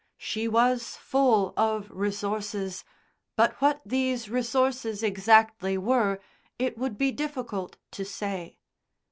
She was full of resources, but what these resources exactly were it would be difficult to say.